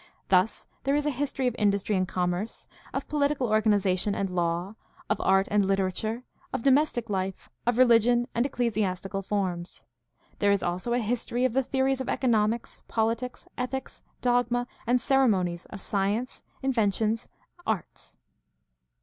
Thus there is a history of industry and commerce, of pohtical organization and law, of art and literature, of domestic life, of religion and ecclesiastical forms. There is also a history of the theories of economics, politics, ethics, dogma, and ceremonies, of science, inventions, arts.